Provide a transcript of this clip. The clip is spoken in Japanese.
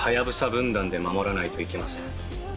分団で守らないといけません。